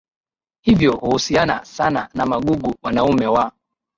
hivyo huhusiana sana na magugu Wanaume wa